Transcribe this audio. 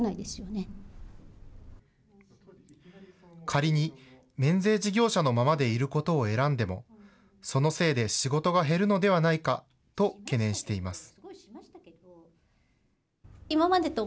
仮に、免税事業者のままでいることを選んでも、そのせいで仕事が減るのではないかと懸念しています。